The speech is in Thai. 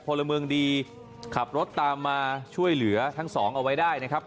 พลเมืองดีขับรถตามมาช่วยเหลือทั้งสองเอาไว้ได้นะครับ